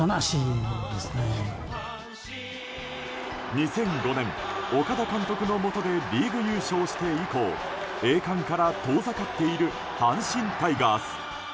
２００５年、岡田監督のもとでリーグ優勝して以降栄冠から遠ざかっている阪神タイガース。